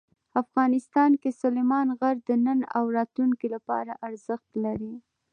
افغانستان کې سلیمان غر د نن او راتلونکي لپاره ارزښت لري.